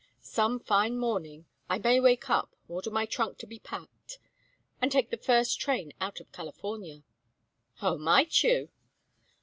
Some fine morning I may wake up, order my trunk to be packed, and take the first train out of California." "Oh, might you?"